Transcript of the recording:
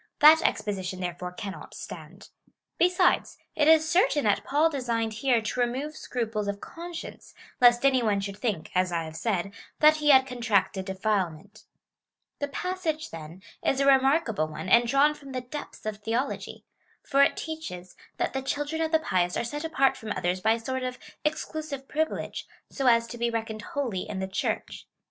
That expo sition, therefore, cannot stand. Besides, it is certain that Paul designed here to remove scrui^les of conscience, lest CHAP. VII. 14. FIRST EPISTLE TO THE CORINTHIANS. 243 any one should think (as I have said) that he had con tracted defilement. The passage, then, is a remarkable one, and drawn from the depths of theology ; for it teaches, that the children of the pious are set apart from others by a sort of exclusive privilege, so as to be reckoned holy in the Church.